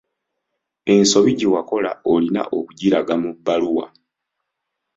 Ensobi gye wakola olina okugiraga mu bbaluwa.